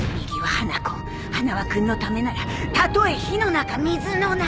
花子花輪君のためならたとえ火の中水の中。